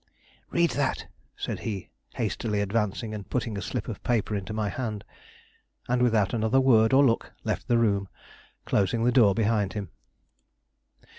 "Read that," said he, hastily advancing and putting a slip of paper into my hand. And, without another word or look, left the room, closing the door behind him.